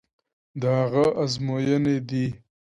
د هغه ازموینې دي.